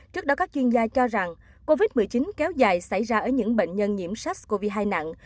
trước đó các chuyên gia cho rằng covid một mươi chín kéo dài xảy ra ở những bệnh nhân nhiễm sars cov hai nặng